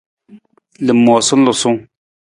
Lamoosam lasung.